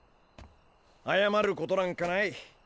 あやまることなんかない。